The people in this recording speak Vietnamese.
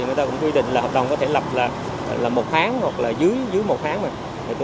người ta cũng quy định là hợp đồng có thể lập một tháng hoặc dưới một tháng